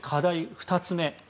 ２つ目。